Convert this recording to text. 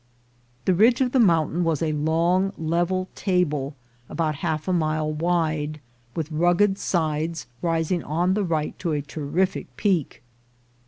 The ridge of the mountain was a long level table about half a mile wide, with rugged sides rising on the right to a terrific peak.